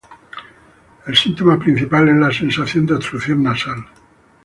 El síntoma principal es la sensación de obstrucción nasal.